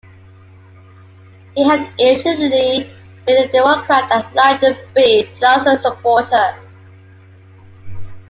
He had initially been a Democrat and a Lyndon B. Johnson supporter.